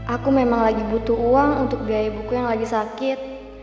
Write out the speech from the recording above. aku memang lagi butuh uang untuk biaya buku yang lagi sakit